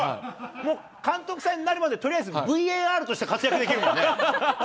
もう監督さんになるまで、とりあえずＶＡＲとして活躍できる。